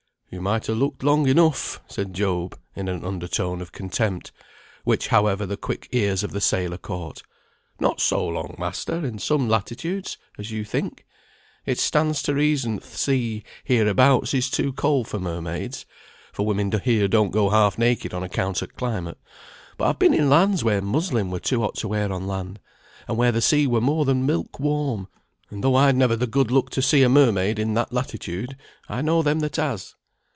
"You might ha' looked long enough," said Job, in an under tone of contempt, which, however, the quick ears of the sailor caught. "Not so long, master, in some latitudes, as you think. It stands to reason th' sea hereabouts is too cold for mermaids; for women here don't go half naked on account o' climate. But I've been in lands where muslin were too hot to wear on land, and where the sea were more than milk warm; and though I'd never the good luck to see a mermaid in that latitude, I know them that has."